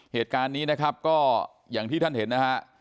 เหตุการณ์นี้นะครับก็อย่างที่ท่านเห็นนะฮะ